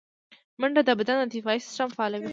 منډه د بدن دفاعي سیستم فعالوي